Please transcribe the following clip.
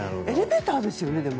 エレベーターですよね？